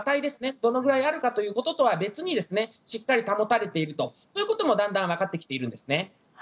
どのぐらいあるかということとは別にしっかり保たれていると。ということもだんだんわかってきているんです。